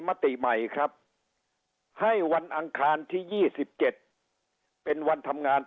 มติใหม่ครับให้วันอังคารที่ยี่สิบเจ็ดเป็นวันทำงาน